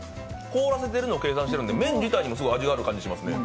凍らせているのを計算しているので麺自体にも味がある感じがしますね。